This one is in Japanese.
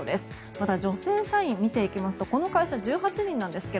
また女性社員を見ていきますとこの会社、１８人なんですが